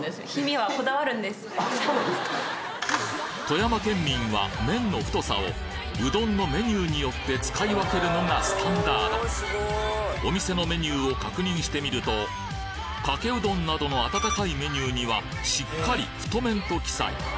富山県民は麺の太さをうどんのメニューによって使い分けるのがスタンダードお店のメニューを確認してみるとかけうどんなどの温かいメニューにはしっかり太麺と記載